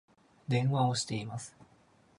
電話をしています